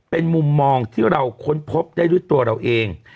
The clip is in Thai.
เป็นมุมมองที่เราค้นพบได้ด้วยตัวเราเอง